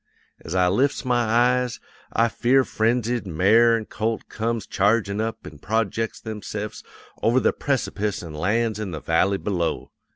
As I lifts my eyes, a fear frenzied mare an' colt comes chargin' up an' projects themse'fs over the precipice an' lands in the valley below.